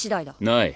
ない。